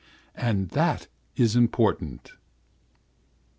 And that is important."